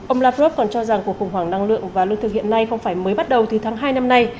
ông lavrov còn cho rằng cuộc khủng hoảng năng lượng và lương thực hiện nay không phải mới bắt đầu từ tháng hai năm nay